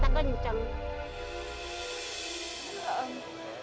apalagi kalau duit kita kenceng